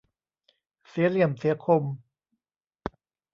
เสียเหลี่ยมเสียคม